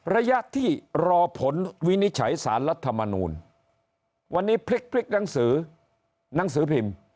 ระยะที่รอผลวินิจฉัยสารรัฐมนูลวันนี้พลิกหนังสือหนังสือพิมพ์